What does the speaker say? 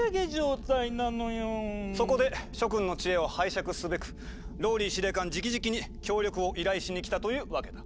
そこで諸君の知恵を拝借すべくＲＯＬＬＹ司令官じきじきに協力を依頼しに来たというわけだ。